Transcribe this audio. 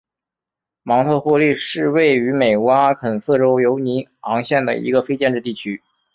芒特霍利是位于美国阿肯色州犹尼昂县的一个非建制地区。